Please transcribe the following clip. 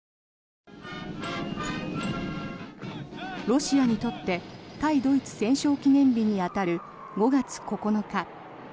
ロシアにとって対ドイツ戦勝記念日に当たる５月９日。